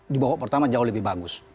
di bawah pertama jauh lebih bagus